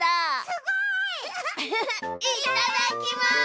すごい！いっただっきます！